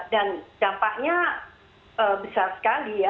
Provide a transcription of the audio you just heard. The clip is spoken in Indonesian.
dan dampaknya besar sekali ya